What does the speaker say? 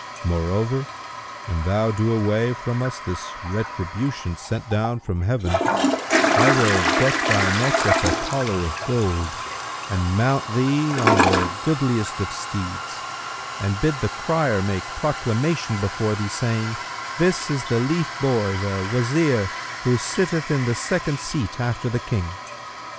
Moreover, an thou do away from us this retribution sent down from Heaven, I will deck thy neck with a collar of gold and mount thee on the goodliest of steeds and bid the crier make proclamation before thee, saying, 'This is the lief[FN#173] boy, the Wazir who sitteth in the second seat after the King!'